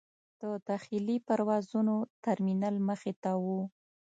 د داخلي پروازونو ترمینل مخې ته و.